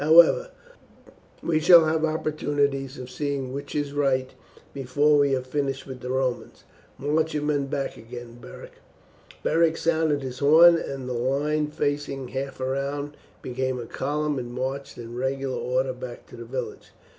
However, we shall have opportunities of seeing which is right before we have finished with the Romans. March your men back again, Beric." Beric sounded his horn, and the line, facing half round, became a column, and marched in regular order back to the village.